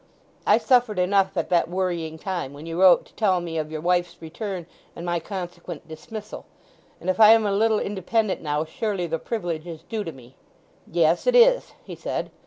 I suffered enough at that worrying time, when you wrote to tell me of your wife's return and my consequent dismissal, and if I am a little independent now, surely the privilege is due to me!" "Yes, it is," he said.